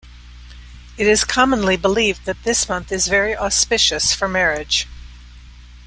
It is commonly believed that this month is very auspicious for marriage.